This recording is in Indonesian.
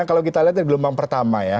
kalau kita lihat dari gelombang pertama ya